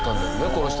この人。